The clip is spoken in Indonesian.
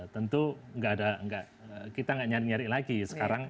tentu kita nggak nyari nyari lagi sekarang